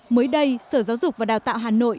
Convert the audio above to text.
mới đây sở giáo dục và đào tạo hà nội